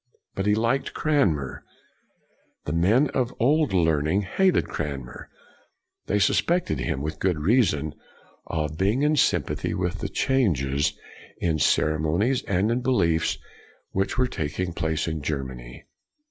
But he liked Cranmer. The men of the Old Learning hated Cranmer. They sus CRANMER 85 pected him, with good reason, of being in sympathy with the changes in cere monies and in beliefs which were taking place in Germany.